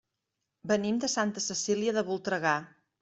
Venim de Santa Cecília de Voltregà.